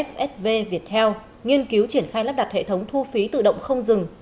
fsv viettel nghiên cứu triển khai lắp đặt hệ thống thu phí tự động không dừng